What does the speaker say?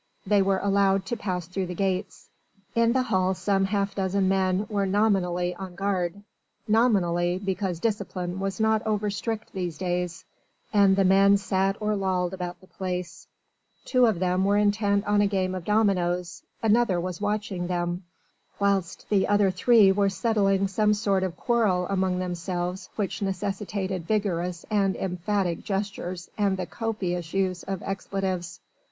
They were allowed to pass through the gates. In the hall some half dozen men were nominally on guard nominally, because discipline was not over strict these days, and the men sat or lolled about the place; two of them were intent on a game of dominoes, another was watching them, whilst the other three were settling some sort of quarrel among themselves which necessitated vigorous and emphatic gestures and the copious use of expletives.